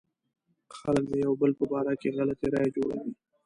خلک د يو بل په باره کې غلطې رايې جوړوي.